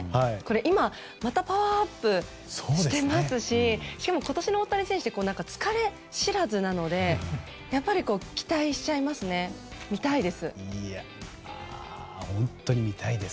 今、またパワーアップしてますししかも今年の大谷選手って疲れ知らずなので期待しちゃいますね見たいです。